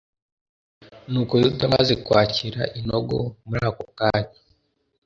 Nuko Yuda amaze kwakira inogo muri ako kanya